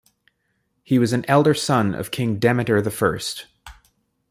He was an elder son of King Demetre the First.